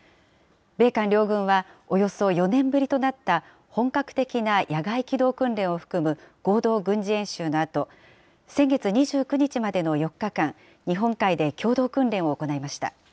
米韓両軍は、およそ４年ぶりとなった本格的な野外機動訓練を含む合同軍事演習のあと、先月２９日までの４日間、日本海で共同訓練を行いました。